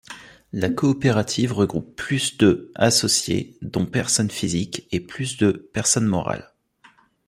La coopérative regroupe plus de associés dont personnes physiques et plus de personnes morales.